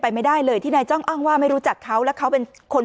ไม่ได้เลยที่นายจ้องอ้างว่าไม่รู้จักเขาแล้วเขาเป็นคน